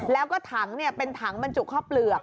แล้วก็ถังเป็นถังบรรจุข้าวเปลือก